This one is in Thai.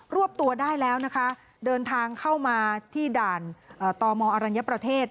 วบตัวได้แล้วนะคะเดินทางเข้ามาที่ด่านตมอรัญญประเทศ